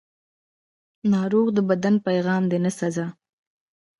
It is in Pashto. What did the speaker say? ناروغي د بدن پیغام دی، نه سزا.